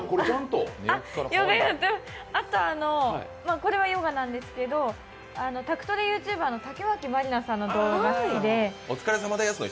これはヨガなんですけど、宅トレＹｏｕＴｕｂｅｒの竹脇まりなさんの動画が好きで。